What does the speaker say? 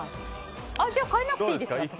じゃあ、変えなくていいです私。